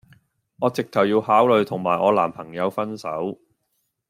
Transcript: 我直頭要考慮同埋我男朋友分手